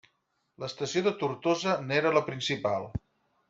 L'estació de Tortosa n'era la principal.